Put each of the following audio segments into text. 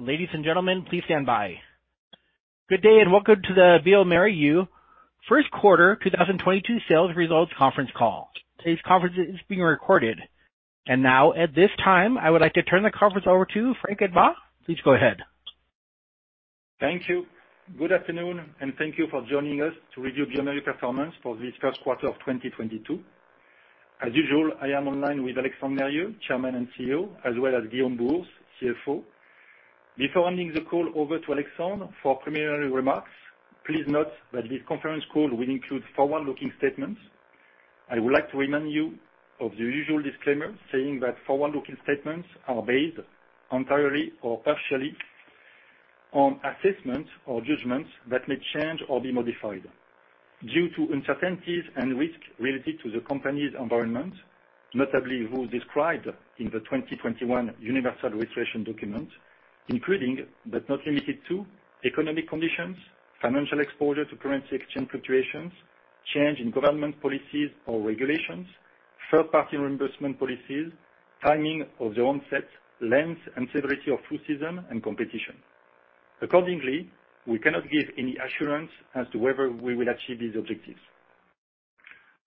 Ladies and gentlemen, please stand by. Good day, and welcome to the bioMérieux First Quarter 2022 Sales Results Conference Call. Today's conference is being recorded. Now, at this time, I would like to turn the conference over to Franck Admant. Please go ahead. Thank you. Good afternoon, and thank you for joining us to review bioMérieux's performance for this first quarter of 2022. As usual, I am online with Alexandre Mérieux, Chairman and CEO, as well as Guillaume Bouhours, CFO. Before handing the call over to Alexandre for preliminary remarks, please note that this conference call will include forward-looking statements. I would like to remind you of the usual disclaimer saying that forward-looking statements are based entirely or partially on assessments or judgments that may change or be modified due to uncertainties and risks related to the company's environment, notably those described in the 2021 universal registration document, including but not limited to economic conditions, financial exposure to currency exchange fluctuations, change in government policies or regulations, third-party reimbursement policies, timing of the onset, length, and severity of flu season and competition. Accordingly, we cannot give any assurance as to whether we will achieve these objectives.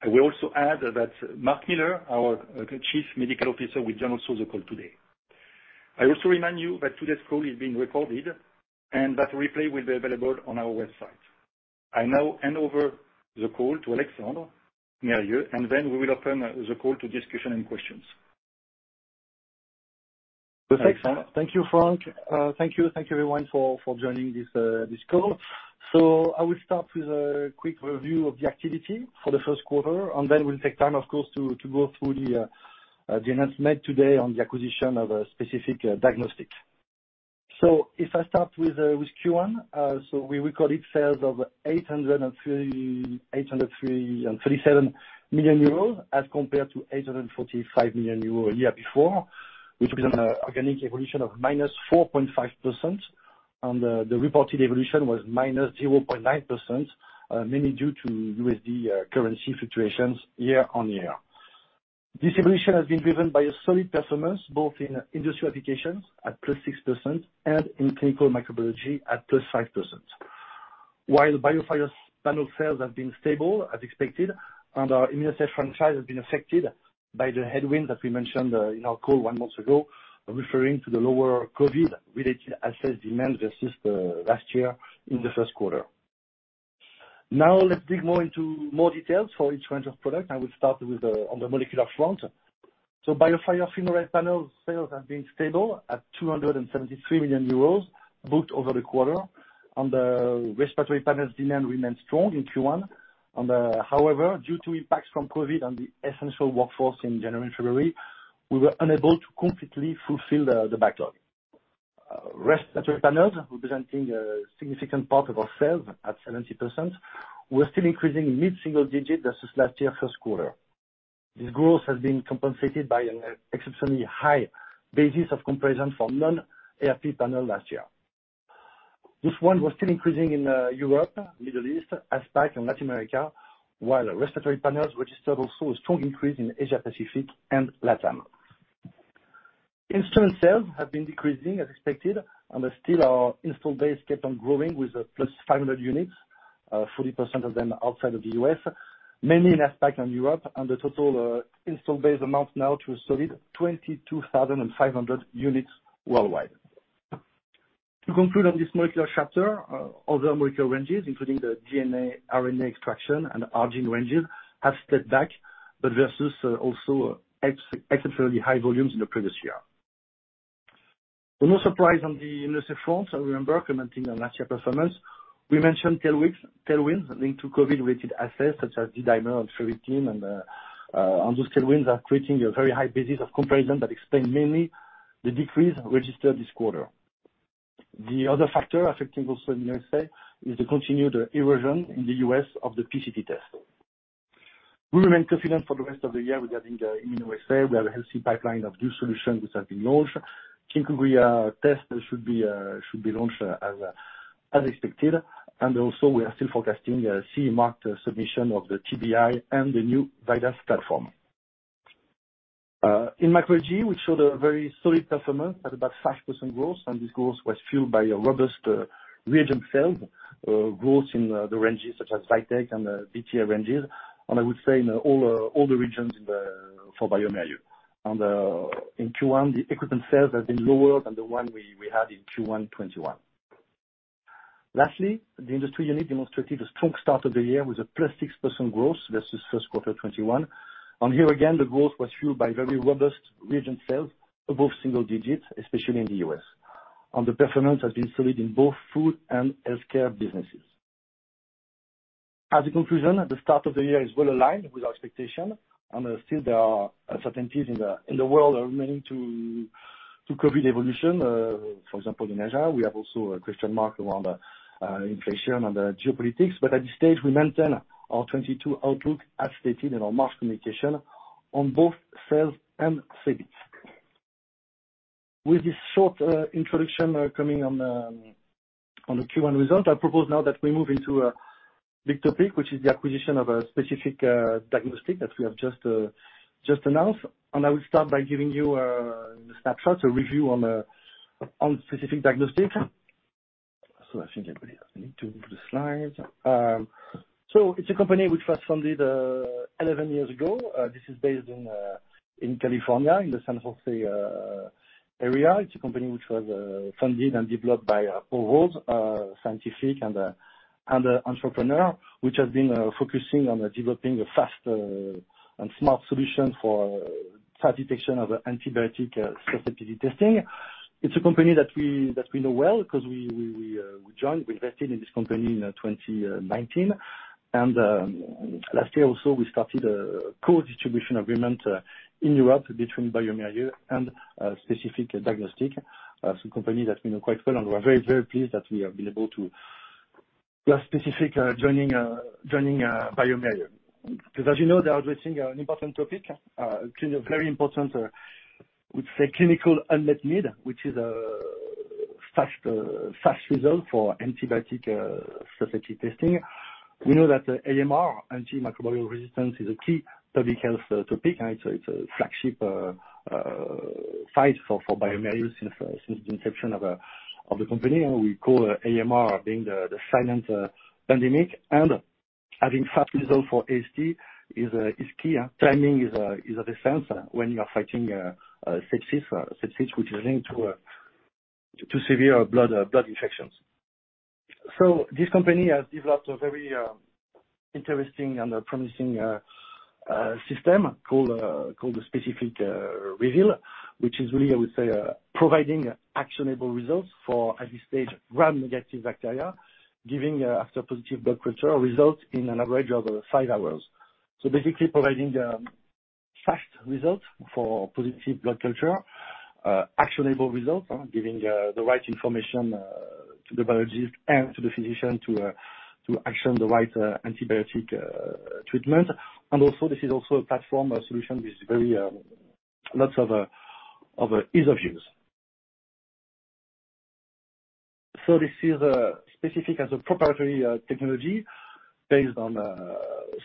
I will also add that Mark Miller, our Chief Medical Officer, will join us on the call today. I also remind you that today's call is being recorded and that replay will be available on our website. I now hand over the call to Alexandre Mérieux, and then we will open the call to discussion and questions. Thank you, Franck. Thank you everyone for joining this call. I will start with a quick review of the activity for the first quarter, and then we'll take time, of course, to go through the announcement today on the acquisition of Specific Diagnostics. If I start with Q1, we recorded sales of 803.337 million euros as compared to 845 million euros a year before, which was an organic evolution of -4.5%. The reported evolution was -0.9%, mainly due to USD currency fluctuations year on year. This evolution has been driven by a solid performance both in industrial applications at +6% and in clinical microbiology at +5%. While BioFire's panel sales have been stable as expected, and our immune assay franchise has been affected by the headwinds that we mentioned in our call one month ago, referring to the lower COVID-related assay demand versus last year in the first quarter. Now let's dig more into more details for each range of products. I will start with on the molecular front. BioFire FilmArray panel sales have been stable at 273 million euros, booked over the quarter, and the respiratory panel's demand remained strong in Q1. However, due to impacts from COVID on the essential workforce in January and February, we were unable to completely fulfill the backlog. Respiratory panels, representing a significant part of our sales at 70%, were still increasing mid-single digit versus last year first quarter. This growth has been compensated by an exceptionally high basis of comparison for non-RP panel last year. This one was still increasing in Europe, Middle East, APAC, and Latin America, while respiratory panels registered also a strong increase in Asia Pacific and LATAM. Instrument sales have been decreasing as expected, and still our installed base kept on growing with +500 units, 40% of them outside of the U.S., mainly in APAC and Europe, and the total installed base amounts now to a solid 22,500 units worldwide. To conclude on this molecular chapter, other molecular ranges, including the DNA, RNA extraction and ARGENE ranges, have stepped back, but versus also exceptionally high volumes in the previous year. No surprise on the immune assay front. Remember, commenting on last year's performance, we mentioned tailwinds linked to COVID-related assays such as D-dimer and ferritin, and those tailwinds are creating a very high basis of comparison that explain mainly the decrease registered this quarter. The other factor affecting also the immunoassay is the continued erosion in the U.S. of the PCT test. We remain confident for the rest of the year regarding the immunoassay. We have a healthy pipeline of new solutions which have been launched. Tingobria test should be launched as expected. We are still forecasting a CE mark submission of the TBI and the new VIDAS platform. In microbiology, we showed a very solid performance at about 5% growth, and this growth was fueled by a robust reagent sales growth in the ranges such as VITEK and the BACT/ALERT ranges, and I would say in all the regions for bioMérieux. In Q1, the equipment sales has been lower than the one we had in Q1 2021. Lastly, the industry unit demonstrated a strong start of the year with a +6% growth versus first quarter 2021. Here again the growth was fueled by very robust reagent sales above single digits, especially in the U.S. The performance has been solid in both food and healthcare businesses. As a conclusion, the start of the year is well aligned with our expectation, and still there are uncertainties in the world remaining to COVID evolution, for example, in Asia. We have also a question mark around inflation and geopolitics. At this stage we maintain our 2022 outlook as stated in our market communication on both sales and EBIT. With this short introduction coming on the Q1 result, I propose now that we move into a big topic, which is the acquisition of Specific Diagnostics that we have just announced. I will start by giving you a snapshot, a review on Specific Diagnostics. I think everybody has a link to the slide. It's a company which was founded 11 years ago. This is based in California, in the San Jose area. It's a company which was funded and developed by Paul Rose, a scientist and entrepreneur, which has been focusing on developing a fast and smart solution for fast detection of antibiotic susceptibility testing. It's a company that we know well because we joined, we invested in this company in 2019. Last year also we started a co-distribution agreement in Europe between bioMérieux and Specific Diagnostics. Companies that we know quite well, and we're very pleased that we have been able to have Specific joining bioMérieux. Because as you know, they are addressing an important topic, very important, I would say clinical unmet need, which is a fast result for antibiotic susceptibility testing. We know that AMR, antimicrobial resistance, is a key public health topic. It's a flagship fight for bioMérieux since the inception of the company. We call AMR being the silent pandemic. Having fast result for AST is key. Timing is of essence when you are fighting sepsis. Sepsis which is linked to severe blood infections. This company has developed a very interesting and promising system called the SPECIFIC REVEAL, which is really, I would say, providing actionable results for, at this stage, gram-negative bacteria, giving after positive blood culture results in an average of 5 hours. Basically providing fast results for positive blood culture actionable results, giving the right information to the biologist and to the physician to action the right antibiotic treatment. This is also a platform solution with very lots of ease of use. This is Specific's proprietary technology based on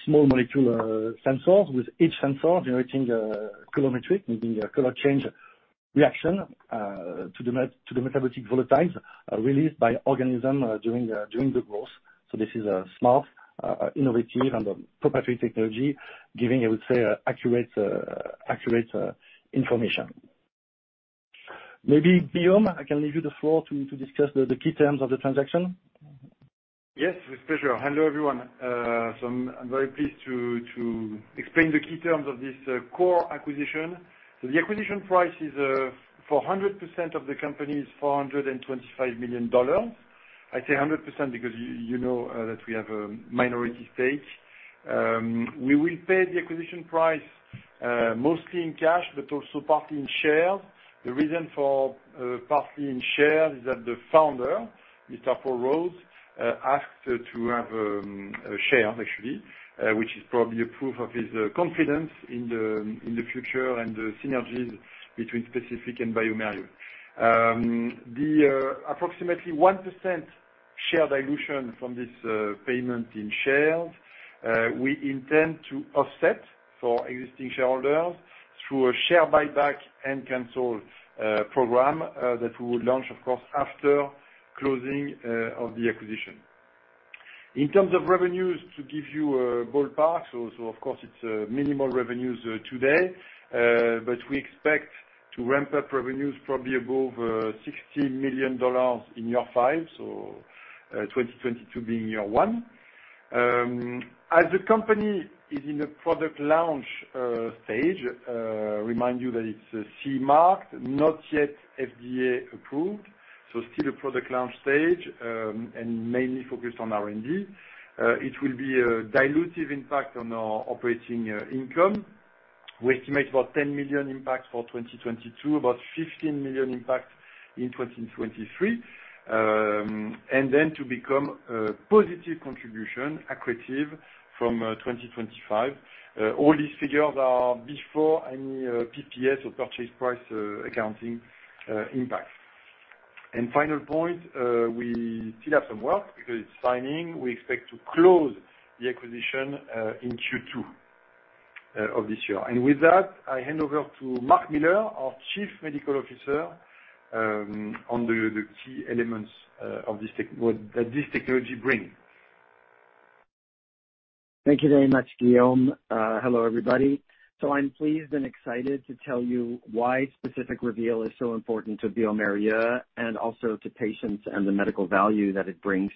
small-molecule sensors, with each sensor generating a colorimetric, meaning a color change reaction, to the metabolic volatiles released by organism during the growth. This is a smart, innovative and proprietary technology giving, I would say, accurate information. Maybe Guillaume, I can leave you the floor to discuss the key terms of the transaction. Yes, with pleasure. Hello, everyone. I'm very pleased to explain the key terms of this core acquisition. The acquisition price for 100% of the company is $425 million. I say 100% because you know that we have a minority stake. We will pay the acquisition price mostly in cash, but also partly in shares. The reason for partly in shares is that the founder, Mr. Paul Rose, asked to have a share actually, which is probably a proof of his confidence in the future and the synergies between Specific and bioMérieux. The approximately 1% share dilution from this payment in shares we intend to offset for existing shareholders through a share buyback and cancellation program that we will launch, of course, after closing of the acquisition. In terms of revenues, to give you a ballpark, of course it's minimal revenues today. We expect to ramp up revenues probably above $60 million in year five, so 2022 being year one. As the company is in a product launch stage, remind you that it's CE marked, not yet FDA approved. Still a product launch stage, and mainly focused on R&D. It will be a dilutive impact on our operating income. We estimate about $10 million impact for 2022, about $15 million impact in 2023. To become a positive contribution, accretive from 2025. All these figures are before any PPA or purchase price accounting impact. Final point, we still have some work because it's signing. We expect to close the acquisition in Q2 of this year. With that, I hand over to Mark Miller, our Chief Medical Officer, on the key elements of what this technology brings. Thank you very much, Guillaume. Hello, everybody. I'm pleased and excited to tell you why SPECIFIC REVEAL is so important to bioMérieux and also to patients and the medical value that it brings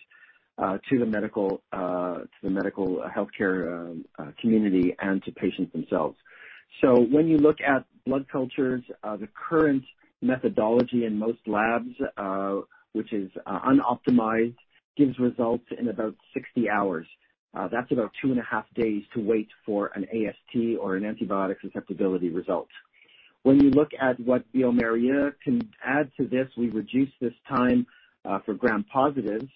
to the medical healthcare community and to patients themselves. When you look at blood cultures, the current methodology in most labs, which is unoptimized, gives results in about 60 hours. That's about two and a half days to wait for an AST or an antibiotic susceptibility result. When you look at what bioMérieux can add to this, we reduce this time for gram-positives.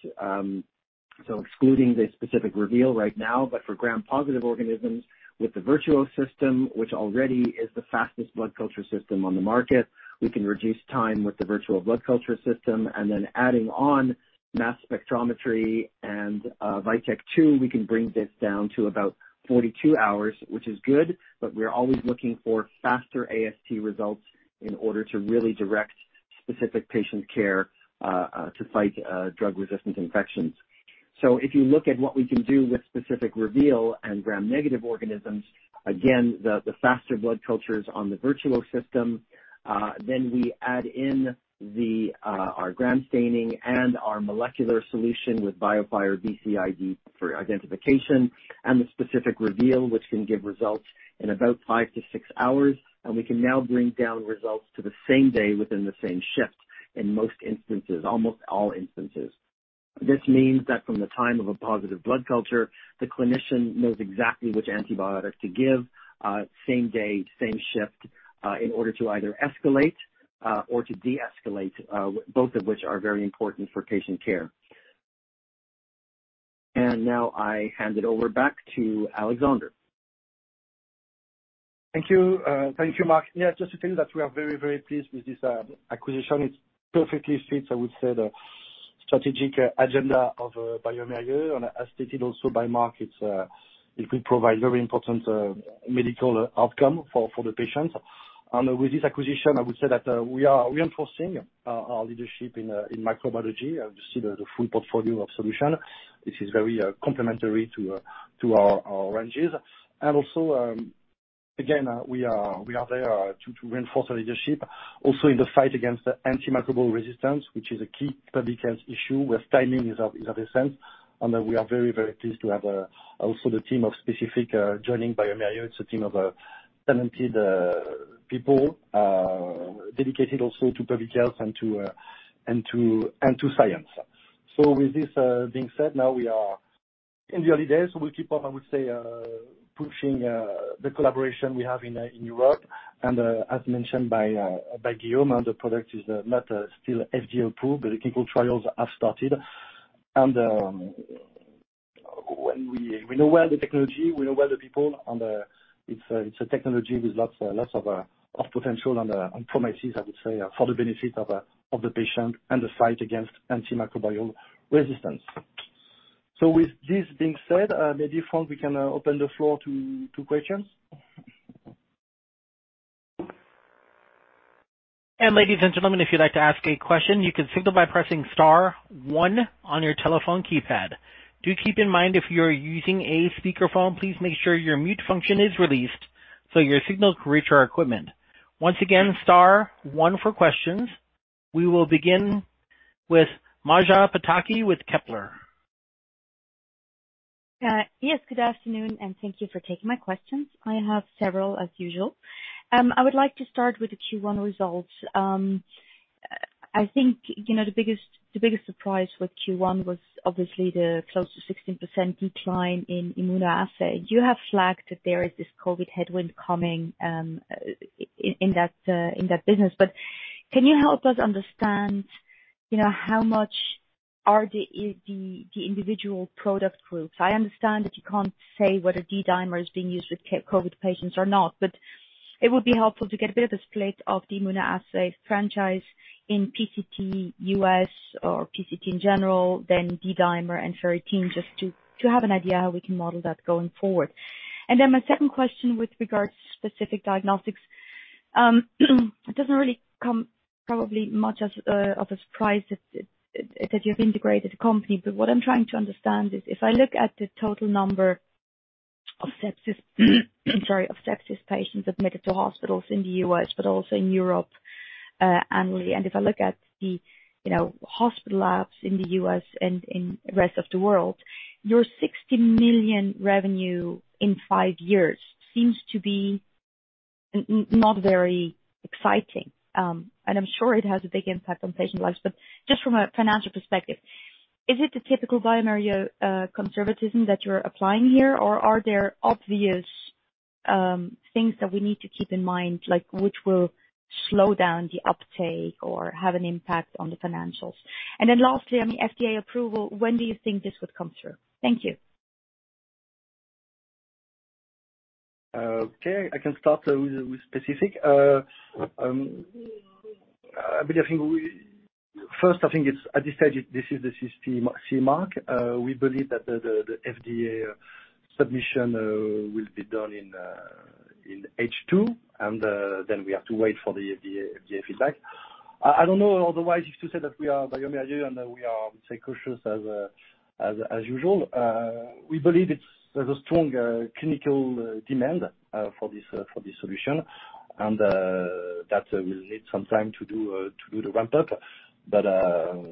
Excluding the SPECIFIC REVEAL right now, but for gram-positive organisms with the VIRTUO system, which already is the fastest blood culture system on the market, we can reduce time with the VIRTUO blood culture system and then adding on VITEK MS and VITEK 2, we can bring this down to about 42 hours, which is good, but we are always looking for faster AST results in order to really direct specific patient care, to fight drug-resistant infections. If you look at what we can do with Specific Reveal and gram-negative organisms, again, the faster blood cultures on the VIRTUO system, then we add in our gram staining and our molecular solution with BioFire BCID for identification and the Specific Reveal, which can give results in about 5-6 hours, and we can now bring down results to the same day within the same shift in most instances, almost all instances. This means that from the time of a positive blood culture, the clinician knows exactly which antibiotic to give, same day, same shift, in order to either escalate or to de-escalate, both of which are very important for patient care. Now I hand it over back to Alexandre. Thank you. Thank you, Mark. Yeah, just to tell you that we are very, very pleased with this acquisition. It perfectly fits, I would say, the strategic agenda of bioMérieux. As stated also by Mark, it will provide very important medical outcome for the patients. With this acquisition, I would say that we are reinforcing our leadership in microbiology. You see the full portfolio of solution. This is very complementary to our ranges. Also, again, we are there to reinforce our leadership also in the fight against antimicrobial resistance, which is a key public health issue where timing is of essence. We are very, very pleased to have also the team of Specific joining bioMérieux. It's a team of talented people dedicated also to public health and to science. With this being said, now we are in the early days, so we'll keep up, I would say, pushing the collaboration we have in Europe. As mentioned by Guillaume, the product is not still FDA approved, but the clinical trials have started. We know well the technology, we know well the people, and it's a technology with lots of potential and promises, I would say, for the benefit of the patient and the fight against antimicrobial resistance. With this being said, maybe, Franck, we can open the floor to questions. Ladies and gentlemen, if you'd like to ask a question, you can signal by pressing star one on your telephone keypad. Do keep in mind, if you're using a speakerphone, please make sure your mute function is released so your signal can reach our equipment. Once again, star one for questions. We will begin with Maja Pataki with Kepler. Yes, good afternoon, and thank you for taking my questions. I have several as usual. I would like to start with the Q1 results. I think, you know, the biggest surprise with Q1 was obviously the close to 16% decline in immunoassay. You have flagged that there is this COVID headwind coming in that business. But can you help us understand, you know, how much are the individual product groups? I understand that you can't say whether D-dimer is being used with COVID patients or not, but it would be helpful to get a bit of a split of the immunoassay franchise in PCT US or PCT in general, then D-dimer and ferritin, just to have an idea how we can model that going forward. Then my second question with regards to Specific Diagnostics, it doesn't really come probably much as of a surprise that you've integrated the company, but what I'm trying to understand is if I look at the total number of sepsis patients admitted to hospitals in the U.S. but also in Europe annually. If I look at the, you know, hospital labs in the U.S. and in rest of the world, your 60 million revenue in five years seems to be not very exciting. I'm sure it has a big impact on patient lives, but just from a financial perspective, is it the typical bioMérieux conservatism that you're applying here? Or are there obvious things that we need to keep in mind, like, which will slow down the uptake or have an impact on the financials? Lastly, on the FDA approval, when do you think this would come through? Thank you. Okay. I can start with Specific. I believe. First, I think it's, at this stage, this is the CE mark. We believe that the FDA submission will be done in H2, and then we have to wait for the FDA feedback. I don't know otherwise, if to say that we are bioMérieux, and we are, say, cautious as usual. We believe there's a strong clinical demand for this solution. That will need some time to do the ramp-up.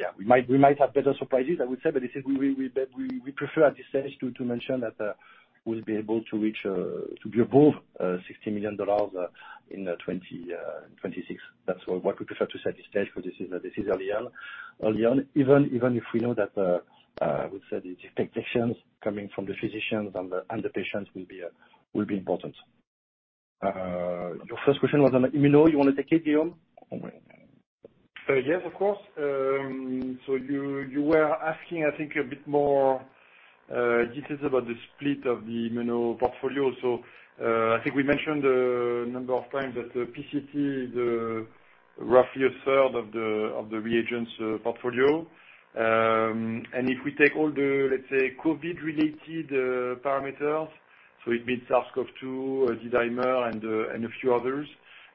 Yeah, we might have better surprises, I would say. This is what we prefer at this stage to mention that we'll be able to reach to be above $60 million in 2026. That's what we prefer to say at this stage for this. This is early on. Even if we know that, I would say, the expectations coming from the physicians and the patients will be important. Your first question was on immuno. You wanna take it, Guillaume? Yes, of course. You were asking, I think, a bit more details about the split of the immuno portfolio. I think we mentioned a number of times that the PCT is roughly a third of the reagents portfolio. If we take all the, let's say, COVID-related parameters, so it means SARS-CoV-2, D-dimer, and a few others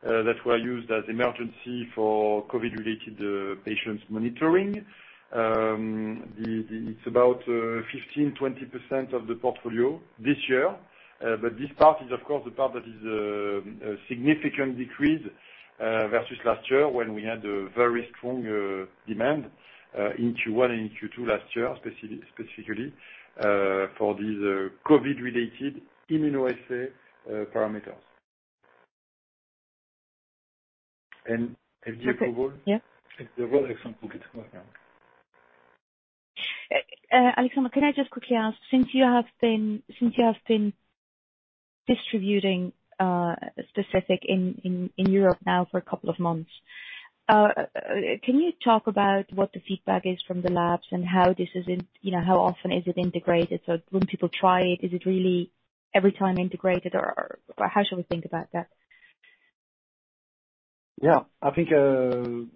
that were used as emergency for COVID-related patients monitoring, it's about 15%-20% of the portfolio this year. But this part is, of course, the part that is a significant decrease versus last year, when we had a very strong demand in Q1 and in Q2 last year specifically for these COVID-related immunoassay parameters. If you go, Laure. Yeah. Laure has some Okay. Alexandre, can I just quickly ask, since you have been distributing Specific in Europe now for a couple of months, can you talk about what the feedback is from the labs and how this is, you know, how often is it integrated? When people try it, is it really every time integrated or how should we think about that? Yeah. I think the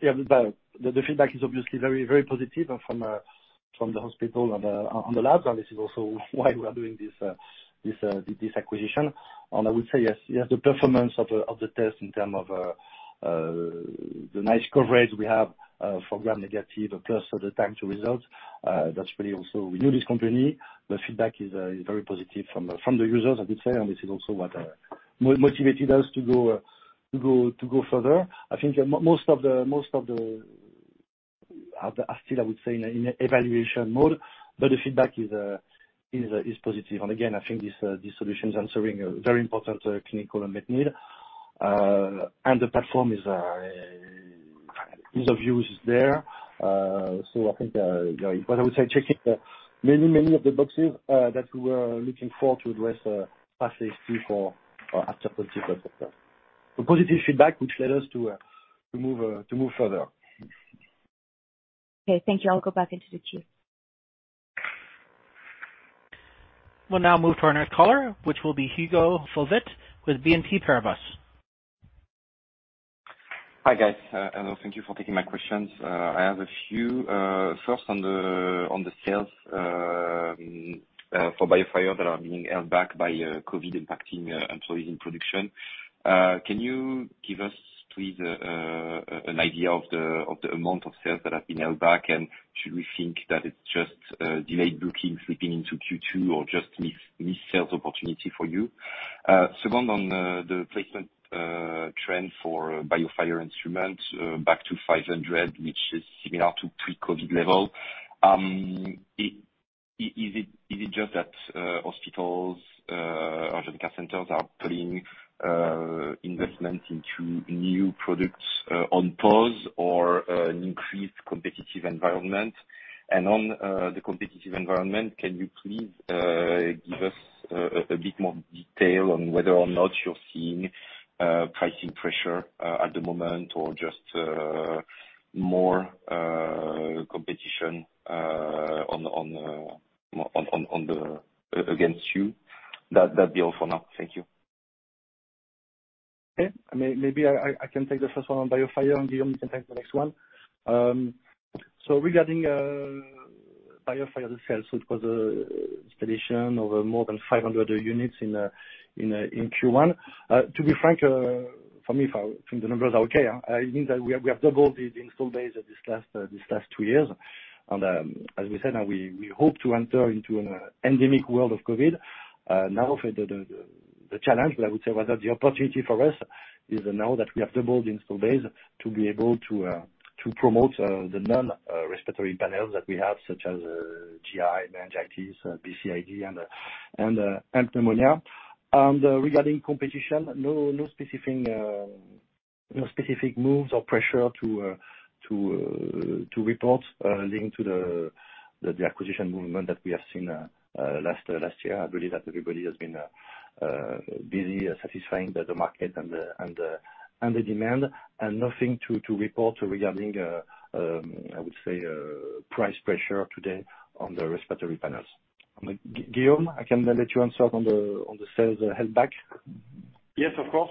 feedback is obviously very positive from the hospital and on the lab. This is also why we are doing this acquisition. I would say yes, the performance of the test in terms of the nice coverage we have for Gram-negative plus the time to results. That's really also we knew this company. The feedback is very positive from the users, I would say, and this is also what motivated us to go further. I think most of the are still, I would say, in evaluation mode, but the feedback is positive. Again, I think this solution's answering a very important clinical unmet need. The platform is ease of use is there. I think you know what I would say, checking many of the boxes that we were looking for to address phase III for after positive results. Positive feedback, which led us to move further. Okay, thank you. I'll go back into the queue. We'll now move to our next caller, which will be Hugo Solvet with BNP Paribas. Hi, guys. Thank you for taking my questions. I have a few. First on the sales for BioFire that are being held back by COVID impacting employees in production. Can you give us, please, an idea of the amount of sales that have been held back? Should we think that it's just delayed bookings leaping into Q2 or just missed sales opportunity for you? Second, on the placement trend for BioFire instruments back to 500, which is similar to pre-COVID level. Is it just that hospitals, urgent care centers are putting investments into new products on pause or an increased competitive environment? On the competitive environment, can you please give us a bit more detail on whether or not you're seeing pricing pressure at the moment or just more competition against you? That'd be all for now. Thank you. Okay. Maybe I can take the first one on BioFire, and Guillaume can take the next one. So regarding BioFire the sales, so it was an installation of more than 500 units in Q1. To be frank, for me, from the numbers are okay. It means that we have doubled the installed base in the last two years. As we said, now we hope to enter into an endemic world of COVID. Now for the challenge that I would say rather the opportunity for us is now that we have doubled the installed base to be able to promote the non-respiratory panels that we have, such as GI, meningitis, BCID, and pneumonia. Regarding competition, no specific moves or pressure to report linked to the acquisition movement that we have seen last year. I believe that everybody has been busy satisfying the market and the demand. Nothing to report regarding, I would say, price pressure today on the respiratory panels. Guillaume, I can let you answer on the sales held back. Yes, of course.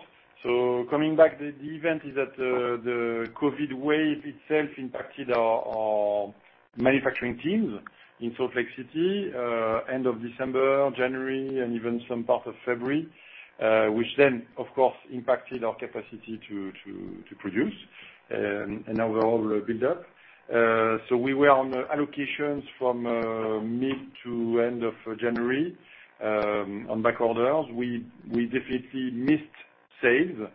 Coming back, the event is that the COVID wave itself impacted our manufacturing teams in Salt Lake City end of December, January, and even some part of February, which then, of course, impacted our capacity to produce and our overall build-up. We were on allocations from mid to end of January on backorders. We definitely missed sales.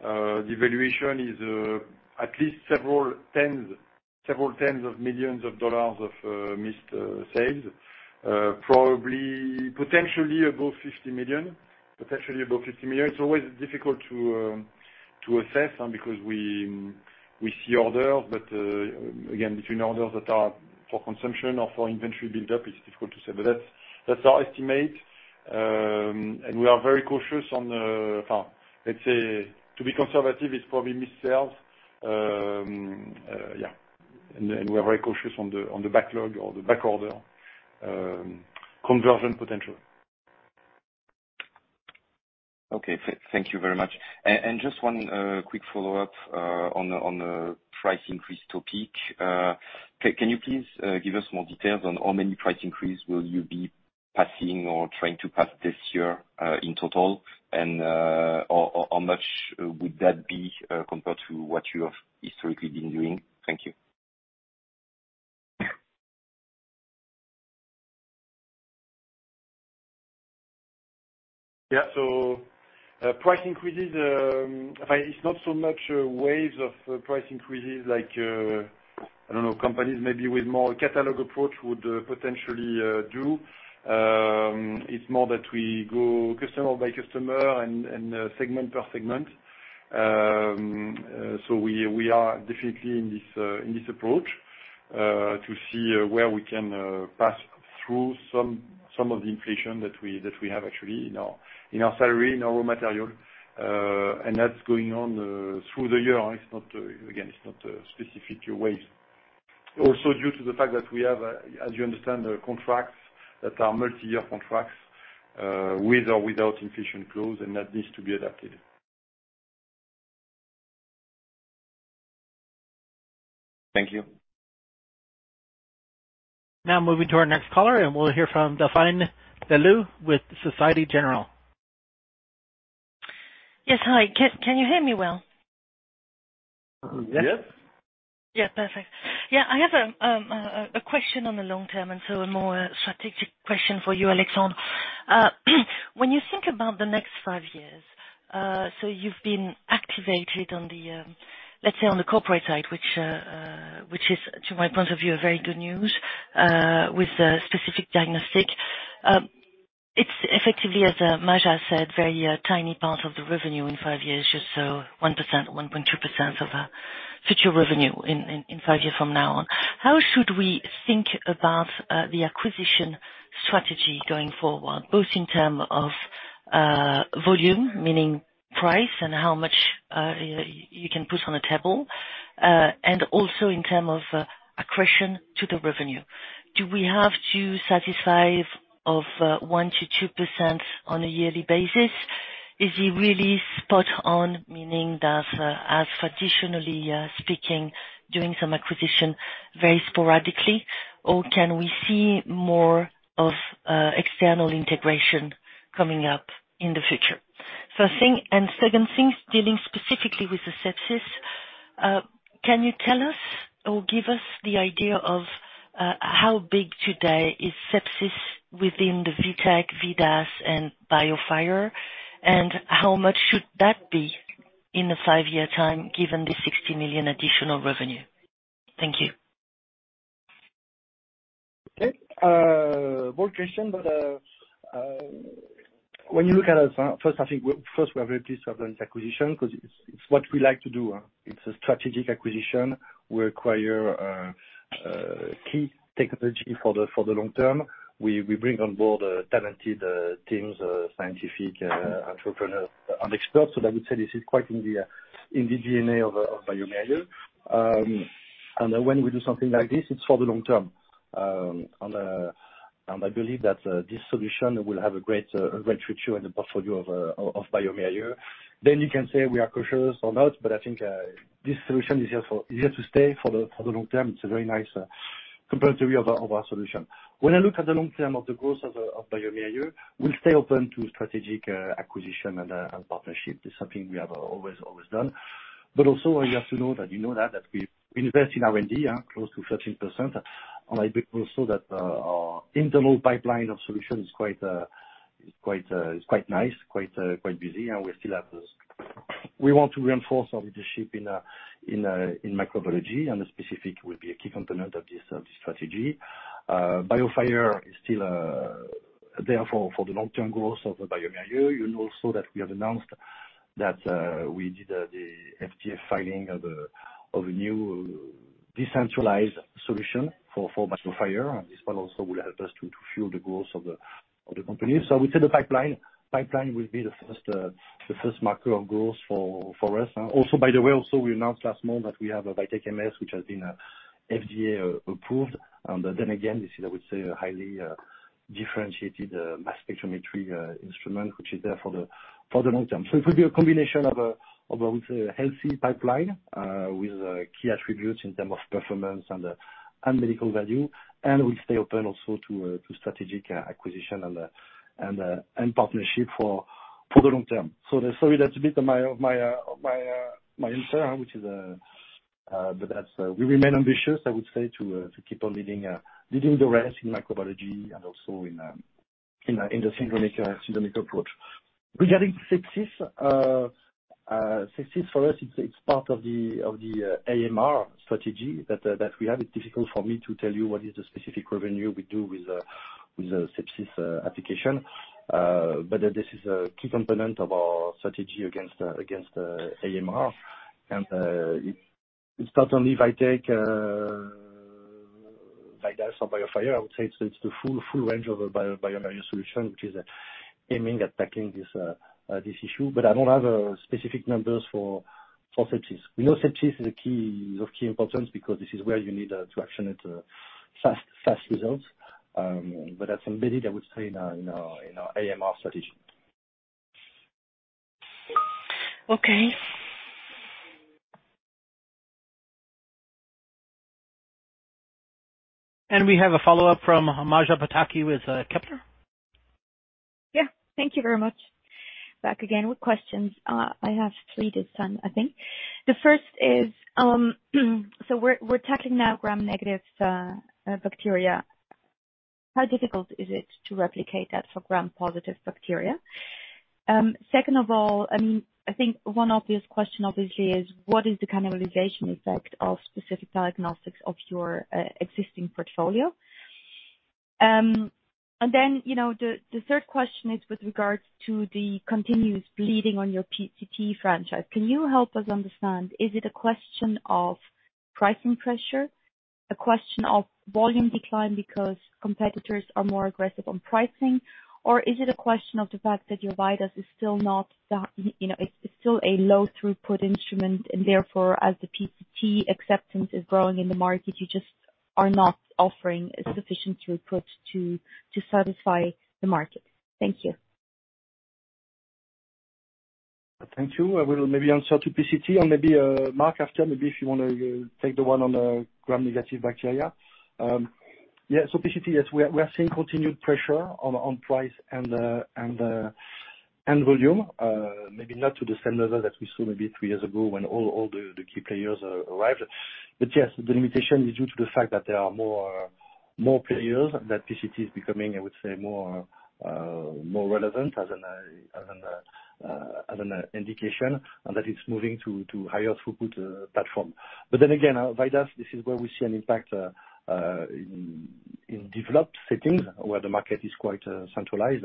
The evaluation is at least several tens of millions of dollars of missed sales, probably potentially above $50 million. It's always difficult to... To assess, because we see orders, but again, between orders that are for consumption or for inventory buildup, it's difficult to say. That's our estimate. We are very cautious on the, let's say to be conservative is probably missed sales, yeah. We're very cautious on the backlog or the back order conversion potential. Okay. Thank you very much. Just one quick follow-up on the price increase topic. Can you please give us more details on how many price increase will you be passing or trying to pass this year in total? Or how much would that be compared to what you have historically been doing? Thank you. Yeah. Price increases, it's not so much waves of price increases like, I don't know, companies maybe with more catalog approach would potentially do. It's more that we go customer by customer and segment per segment. We are definitely in this approach to see where we can pass through some of the inflation that we have actually in our salary, in our raw material. That's going on through the year. It's not, again, it's not specific to waves. Also due to the fact that we have, as you understand, contracts that are multi-year contracts with or without inflation clause, and that needs to be adapted. Thank you. Now moving to our next caller, and we'll hear from Delphine Le Louet with Societe Generale. Yes. Hi. Can you hear me well? Yes. Yeah. Perfect. Yeah. I have a question on the long term, a more strategic question for you, Alexandre. When you think about the next five years, you've been activated on the, let's say, on the corporate side, which is, to my point of view, a very good news, with the Specific Diagnostics. It's effectively, as Maja said, very tiny part of the revenue in five years, just 1%, 1.2% of our future revenue in five years from now. How should we think about the acquisition strategy going forward, both in terms of volume, meaning price, and how much you can put on the table, and also in terms of accretion to the revenue? Do we have to settle for 1%-2% on a yearly basis? Is it really spot on, meaning that as traditionally speaking, doing some acquisition very sporadically, or can we see more of external integration coming up in the future? First thing, and second thing, dealing specifically with the sepsis, can you tell us or give us the idea of how big today is sepsis within the VITEK, VIDAS and BioFire, and how much should that be in the five-year time, given the 60 million additional revenue? Thank you. Okay. Bold question, but, when you look at us, first, I think we are very pleased to have done this acquisition 'cause it's what we like to do. It's a strategic acquisition. We acquire key technology for the long term. We bring on board talented teams, scientific entrepreneurs and experts. I would say this is quite in the DNA of bioMérieux. When we do something like this, it's for the long term. I believe that this solution will have a great future in the portfolio of bioMérieux. You can say we are cautious or not, but I think this solution is here to stay for the long term. It's a very nice complement to our solution. When I look at the long term of the growth of bioMérieux, we'll stay open to strategic acquisition and partnership. It's something we have always done. You have to know that you know that we invest in R&D, close to 13%. I think also that our internal pipeline of solutions is quite nice, quite busy. We still have this. We want to reinforce our leadership in microbiology, and Specific will be a key component of this strategy. BioFire is still there for the long-term goals of bioMérieux. You know also that we have announced that we did the FDA filing of a new decentralized solution for BioFire. This one also will help us to fuel the goals of the company. I would say the pipeline will be the first marker of goals for us. By the way, we announced last month that we have a VITEK MS, which has been FDA approved. This is I would say a highly differentiated mass spectrometry instrument which is there for the long term. It will be a combination of a healthy pipeline with key attributes in terms of performance and medical value. We stay open also to strategic acquisition and partnership for the long term. Sorry, that's a bit of my answer, but we remain ambitious, I would say, to keep on leading the rest in microbiology and also in the syndromic approach. Regarding sepsis for us, it's part of the AMR strategy that we have. It's difficult for me to tell you what is the specific revenue we do with the sepsis application. But this is a key component of our strategy against AMR. It's not only VITEK like that, BioFire, I would say it's the full range of bioMérieux solution, which is aiming at tackling this issue. But I don't have specific numbers for sepsis. We know sepsis is a key of key importance because this is where you need to action it fast results. But that's embedded, I would say, in our AMR strategy. Okay. We have a follow-up from Maja Pataki with Kepler. Yeah. Thank you very much. Back again with questions. I have three this time, I think. The first is, so we're talking now gram-negative bacteria. How difficult is it to replicate that for gram-positive bacteria? Second of all, I think one obvious question obviously is what is the cannibalization effect of Specific Diagnostics of your existing portfolio? Then, you know, the third question is with regards to the continuous bleeding on your PCT franchise. Can you help us understand, is it a question of pricing pressure, a question of volume decline because competitors are more aggressive on pricing, or is it a question of the fact that your VIDAS is still not the, you know, it's still a low throughput instrument and therefore, as the PCT acceptance is growing in the market, you just are not offering a sufficient throughput to satisfy the market? Thank you. Thank you. I will maybe answer to PCT and maybe Mark, after maybe if you wanna take the one on gram-negative bacteria. Yeah. PCT, yes, we are seeing continued pressure on price and volume, maybe not to the same level that we saw maybe three years ago when all the key players arrived. Yes, the limitation is due to the fact that there are more players, that PCT is becoming, I would say, more relevant as an indication, and that it's moving to higher throughput platform. Then again, VIDAS, this is where we see an impact in developed settings where the market is quite centralized.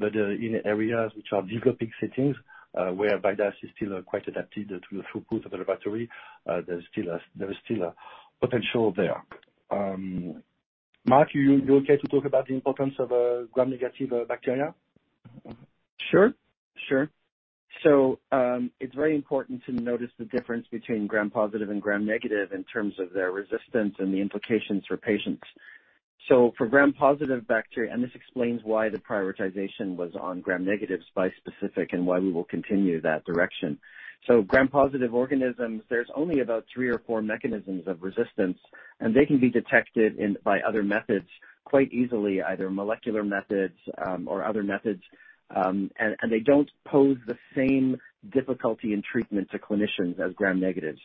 In areas which are developing settings, where VIDAS is still quite adapted to the throughput of the laboratory, there is still a potential there. Mark, you okay to talk about the importance of gram-negative bacteria? Sure. It's very important to notice the difference between gram-positive and gram-negative in terms of their resistance and the implications for patients. For gram-positive bacteria, and this explains why the prioritization was on gram-negatives by Specific, and why we will continue that direction. Gram-positive organisms, there's only about three or four mechanisms of resistance, and they can be detected by other methods quite easily, either molecular methods or other methods, and they don't pose the same difficulty in treatment to clinicians as gram-negatives.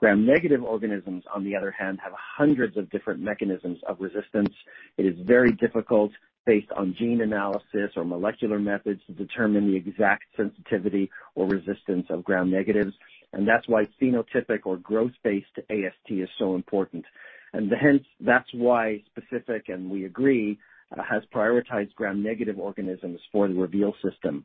Gram-negative organisms, on the other hand, have hundreds of different mechanisms of resistance. It is very difficult, based on gene analysis or molecular methods, to determine the exact sensitivity or resistance of gram-negatives, and that's why phenotypic or growth-based AST is so important. Hence, that's why Specific, and we agree, has prioritized gram-negative organisms for the SPECIFIC REVEAL system.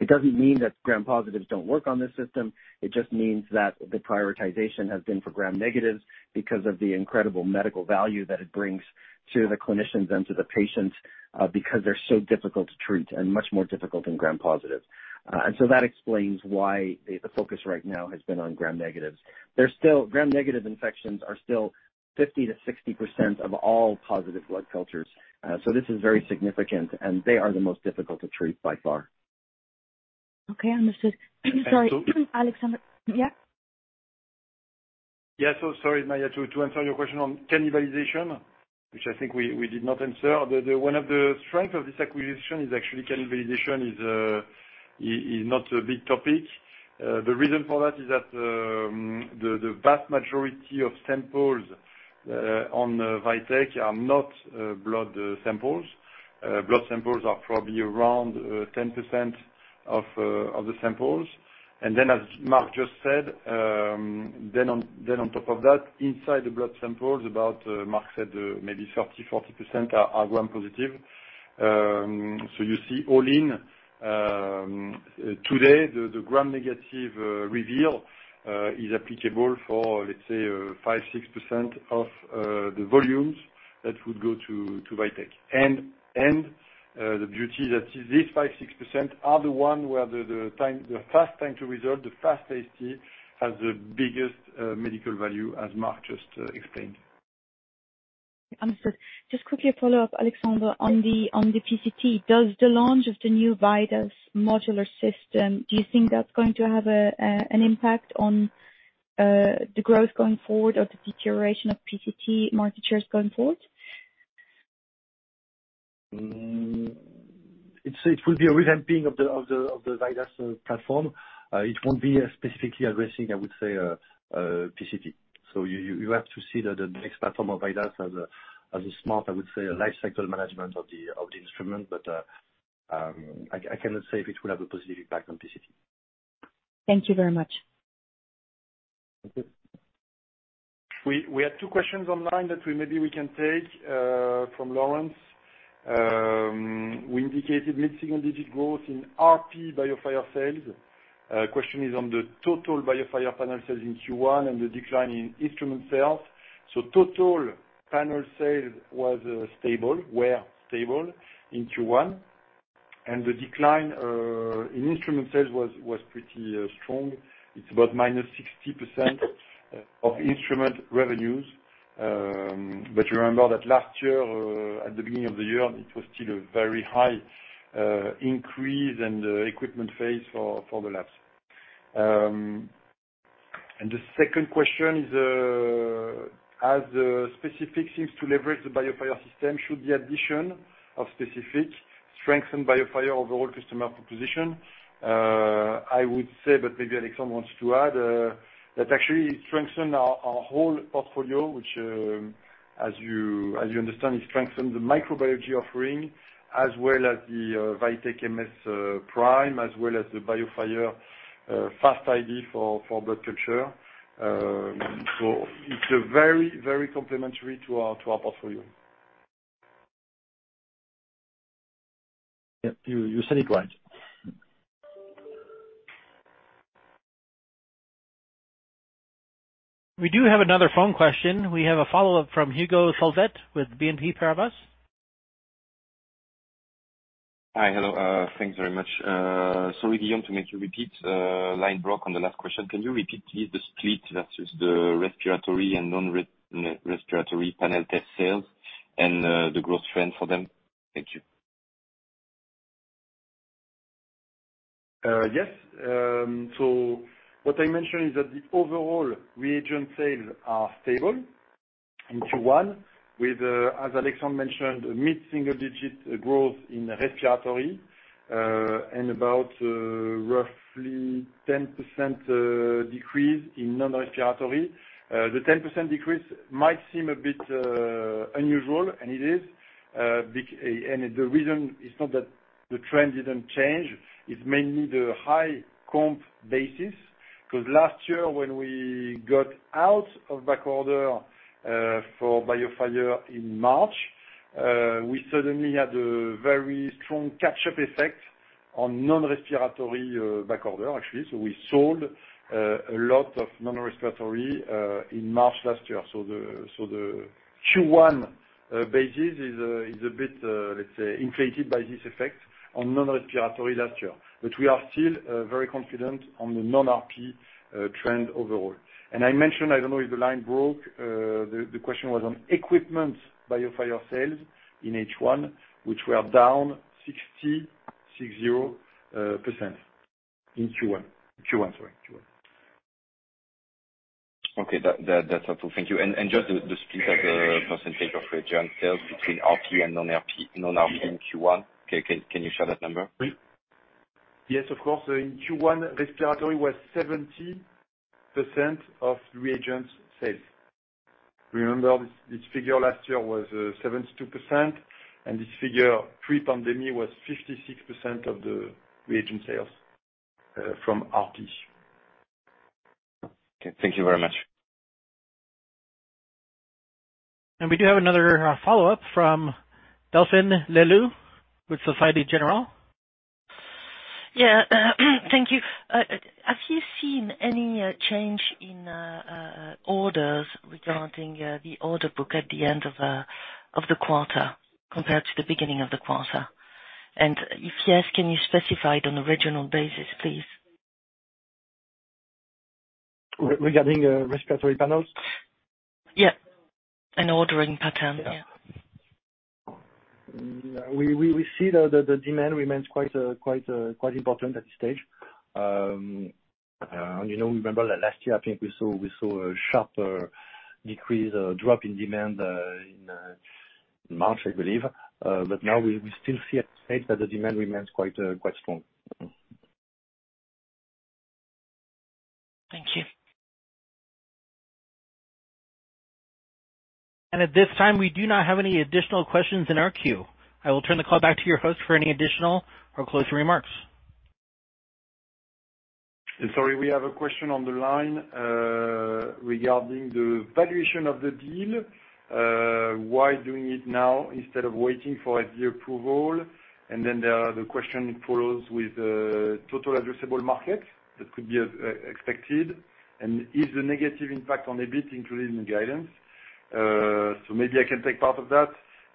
It doesn't mean that gram-positives don't work on this system. It just means that the prioritization has been for gram-negatives because of the incredible medical value that it brings to the clinicians and to the patients, because they're so difficult to treat and much more difficult than gram-positives. That explains why the focus right now has been on gram-negatives. There's still gram-negative infections are still 50%-60% of all positive blood cultures. This is very significant, and they are the most difficult to treat by far. Okay. Understood. Sorry, Alexandre. Yeah? Yeah. Sorry, Maja, to answer your question on cannibalization, which I think we did not answer. One of the strength of this acquisition is actually cannibalization is not a big topic. The reason for that is that the vast majority of samples on VITEK are not blood samples. Blood samples are probably around 10% of the samples. As Mark just said, on top of that, inside the blood samples, about Mark said maybe 30-40% are gram-positive. You see all in, today, the gram-negative Reveal is applicable for, let's say, 5-6% of the volumes that would go to VITEK. The beauty that is this 5%-6% are the one where the time, the fast time to result, the fast AST has the biggest medical value as Mark just explained. Understood. Just quickly a follow-up, Alexandre. On the PCT, does the launch of the new VIDAS modular system, do you think that's going to have an impact on the growth going forward or the deterioration of PCT market shares going forward? It will be a revamping of the VIDAS platform. It won't be specifically addressing, I would say, PCT. You have to see the next platform of VIDAS as a smart, I would say, lifecycle management of the instrument. I cannot say if it will have a positive impact on PCT. Thank you very much. We had two questions online that we maybe can take from Lawrence. We indicated mid-single-digit growth in RP BioFire sales. Question is on the total BioFire panel sales in Q1 and the decline in instrument sales. Total panel sales were stable in Q1, and the decline in instrument sales was pretty strong. It's about -60% of instrument revenues, but remember that last year, at the beginning of the year, it was still a very high increase in the equipment phase for the labs. The second question is, as Specific seems to leverage the BioFire system, should the addition of Specific strengthen BioFire overall customer proposition? I would say maybe Alexandre wants to add that actually it strengthen our whole portfolio, which as you understand it strengthen the microbiology offering as well as the VITEK MS PRIME as well as the BIOFIRE BCID2 Panel for blood culture. It's a very complementary to our portfolio. Yep, you said it right. We do have another phone question. We have a follow-up from Hugo Solvet with BNP Paribas. Hi. Hello. Thanks very much. Sorry, Guillaume, to make you repeat, line broke on the last question. Can you repeat, please, the split that is the respiratory and non-respiratory panel test sales and, the growth trend for them? Thank you. Yes. What I mentioned is that the overall reagent sales are stable in Q1 with, as Alexandre mentioned, mid-single digit growth in respiratory, and about, roughly 10% decrease in non-respiratory. The 10% decrease might seem a bit unusual, and it is, and the reason is not that the trend didn't change. It's mainly the high comp basis, 'cause last year when we got out of backorder, for BioFire in March, we suddenly had a very strong catch-up effect on non-respiratory backorder actually. We sold a lot of non-respiratory in March last year. The Q1 basis is a bit, let's say, inflated by this effect on non-respiratory last year. We are still very confident on the non-RP trend overall. I mentioned, I don't know if the line broke, the question was on equipment BioFire sales in H1, which were down 60% in Q1, sorry. Okay. That's helpful. Thank you. Just the split of the percentage of reagent sales between RP and non-RP in Q1. Can you share that number? Yes, of course. In Q1, respiratory was 70% of reagents sales. Remember, this figure last year was 72%, and this figure pre-pandemic was 56% of the reagent sales from RP. Okay. Thank you very much. We do have another follow-up from Delphine Le Louet with Société Générale. Yeah. Thank you. Have you seen any change in orders regarding the order book at the end of the quarter compared to the beginning of the quarter? If yes, can you specify it on a regional basis, please? Regarding respiratory panels? Yeah, ordering pattern. Yeah. We see the demand remains quite important at this stage. You know, remember that last year, I think we saw a sharp decrease or drop in demand in March, I believe. Now we still see at this stage that the demand remains quite strong. Thank you. At this time, we do not have any additional questions in our queue. I will turn the call back to your host for any additional or closing remarks. Sorry, we have a question on the line regarding the valuation of the deal. Why doing it now instead of waiting for FDA approval? The question follows with the total addressable market that could be expected, and is the negative impact on EBIT included in the guidance? So maybe I can take part of that.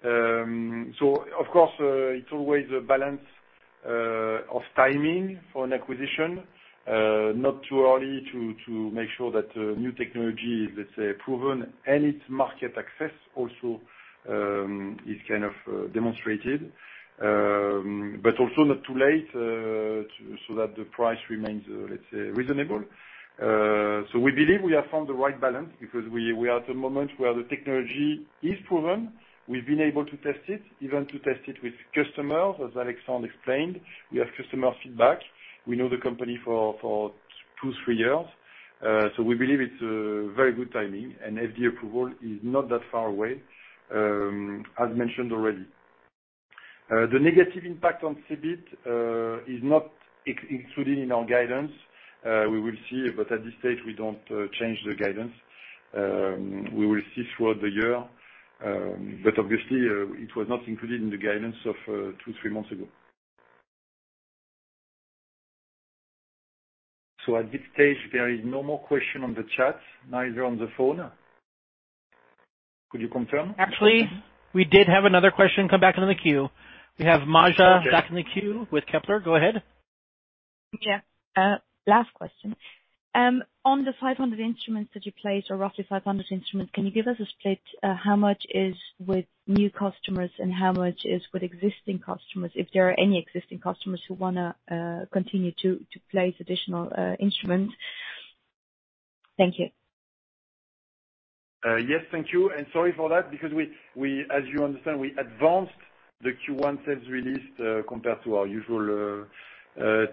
Of course, it's always a balance of timing for an acquisition. Not too early to make sure that new technology is, let's say, proven and its market access also is kind of demonstrated, but also not too late so that the price remains, let's say, reasonable. So we believe we have found the right balance because we are at the moment where the technology is proven. We've been able to test it, even to test it with customers, as Alexandre Mérieux explained. We have customer feedback. We know the company for two, three years. We believe it's very good timing, and FDA approval is not that far away, as mentioned already. The negative impact on EBIT is not included in our guidance. We will see, but at this stage, we don't change the guidance. We will see throughout the year. Obviously, it was not included in the guidance of two, three months ago. At this stage, there is no more question on the chat, neither on the phone. Could you confirm? Actually, we did have another question come back on the queue. We have Maja back in the queue with Kepler. Go ahead. Yeah. Last question. On the 500 instruments that you placed, or roughly 500 instruments, can you give us a split, how much is with new customers and how much is with existing customers, if there are any existing customers who wanna continue to place additional instruments? Thank you. Yes, thank you. Sorry for that because we, as you understand, we advanced the Q1 sales release compared to our usual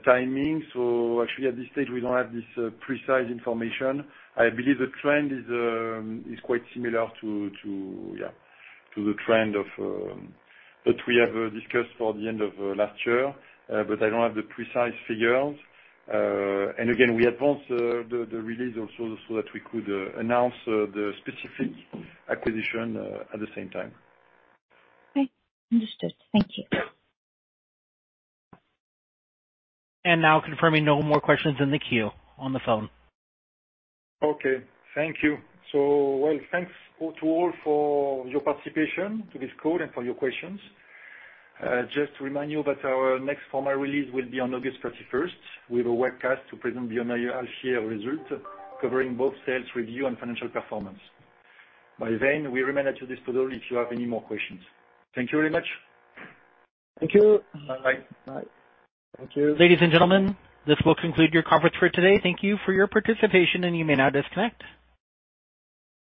timing. Actually at this stage, we don't have this precise information. I believe the trend is quite similar to the trend that we have discussed for the end of last year. But I don't have the precise figures. Again, we advanced the release also so that we could announce the specific acquisition at the same time. Okay. Understood. Thank you. Now confirming no more questions in the queue on the phone. Okay. Thank you. Thanks to all for your participation to this call and for your questions. Just to remind you that our next formal release will be on August thirty-first with a webcast to present bioMérieux half year results covering both sales review and financial performance. By then, we remain at your disposal if you have any more questions. Thank you very much. Thank you. Bye. Bye. Thank you. Ladies and gentlemen, this will conclude your conference for today. Thank you for your participation and you may now disconnect.